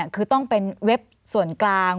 คือต้องเป็นเว็บส่วนกลาง